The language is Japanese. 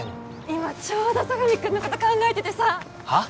今ちょうど佐神くんのこと考えててさはっ？